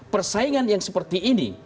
persaingan yang seperti ini